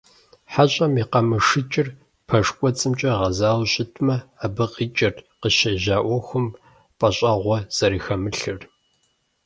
ХьэщӀэм и къамышыкӀыр пэш кӀуэцӀымкӀэ гъэзауэ щытмэ, абы къикӀырт къыщӏежьа Ӏуэхум пӀэщӀэгъуэ зэрыхэмылъыр.